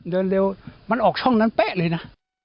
เดินเร็วมันออกช่องนั้นเป๊ะเลยนะ